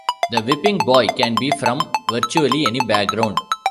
The whipping boy can be from virtually any background.